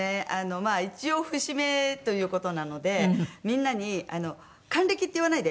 まあ一応節目という事なのでみんなに「“還暦”って言わないで。